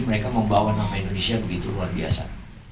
mereka membawa nama indonesia begitu luar biasa